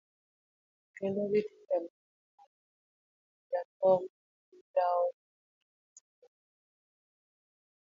kedo gi timbe mag mibadhi. jakom, migawo makedo gi timbe mag mibadhi